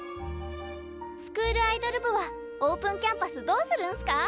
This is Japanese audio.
スクールアイドル部はオープンキャンパスどうするんすか？